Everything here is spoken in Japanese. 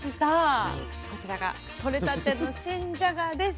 こちらが取れたての新じゃがです。